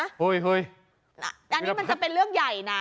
อันนี้เป็นเรื่องใหญ่น่ะ